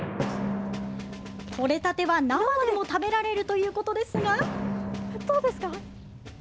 取れたては生でも食べられるということですが。